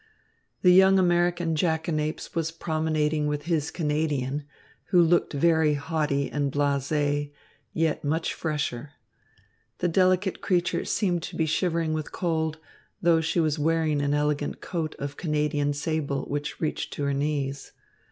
The young American jackanapes was promenading with his Canadian, who looked very haughty and blasé, yet much fresher. The delicate creature seemed to be shivering with cold, though she was wearing an elegant coat of Canadian sable, which reached to her knees.